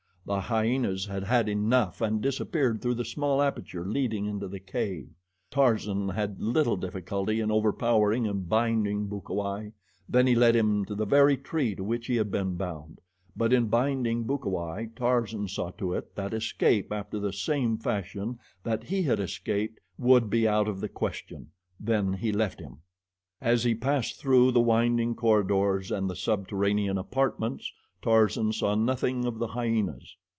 The hyenas had had enough and disappeared through the small aperture leading into the cave. Tarzan had little difficulty in overpowering and binding Bukawai. Then he led him to the very tree to which he had been bound; but in binding Bukawai, Tarzan saw to it that escape after the same fashion that he had escaped would be out of the question; then he left him. As he passed through the winding corridors and the subterranean apartments, Tarzan saw nothing of the hyenas.